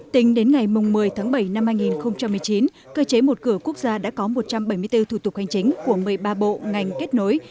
tính đến ngày một mươi tháng bảy năm hai nghìn một mươi chín cơ chế một cửa quốc gia đã có một trăm bảy mươi bốn thủ tục hành chính của một mươi ba bộ ngành kết nối